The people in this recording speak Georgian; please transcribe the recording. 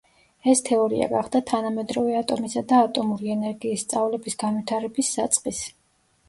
ეს თეორია გახდა თანამედროვე ატომისა და ატომური ენერგიის სწავლების განვითარების საწყისი.